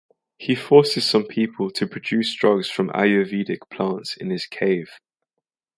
He forces some people to produce drugs from Ayurvedic plants in his cave.